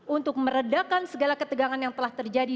untuk meredakan segala ketegangan yang telah terjadi